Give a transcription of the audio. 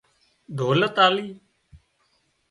ڌولت آلي